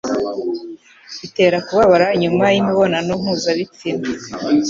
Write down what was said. itera kubabara nyuma y'imibonano mpuzabitsina